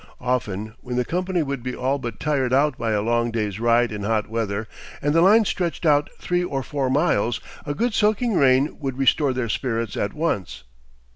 Often, when the company would be all but tired out by a long day's ride in hot weather, and the line stretched out three or four miles, a good soaking rain would restore their spirits at once.